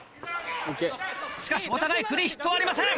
しかしお互いクリーンヒットはありません。